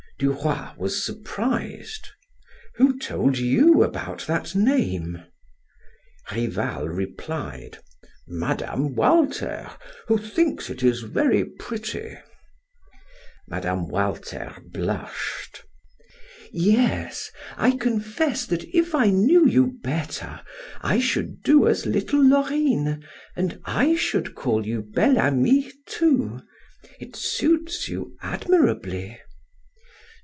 Du Roy was surprised: "Who told you about that name?" Rival replied: "Mme. Walter, who thinks it very pretty." Mme. Walter blushed. "Yes, I confess that if I knew you better, I should do as little Laurine, and I should call you Bel Ami, too. It suits you admirably."